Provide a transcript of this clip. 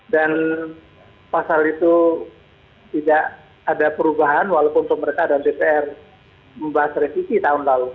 dan pasal itu tidak ada perubahan walaupun pemerintah dan dpr membahas resisi tahun lalu